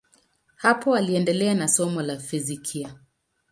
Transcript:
Hapo aliendelea na somo la fizikia.